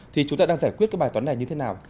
thì chúng ta đang giải quyết các bài toán này như thế nào